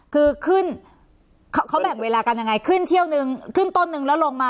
คือขึ้นเขาแบ่งเวลากันยังไงขึ้นเที่ยวนึงขึ้นต้นนึงแล้วลงมา